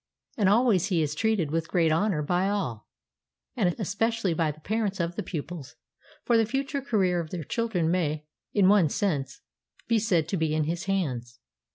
And always he is treated with great honor by all, and especially by the parents of the pupils. For the future career of their children may, in one sense, be said to be in his hands.